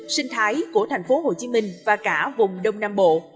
sinh thái của thành phố hồ chí minh và cả vùng đông nam bộ